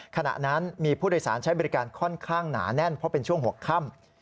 ขณะนั้นมีผู้โดยสารใช้บริการค่อนข้างหนาแน่นเพราะเป็นช่วงหัวค่ำ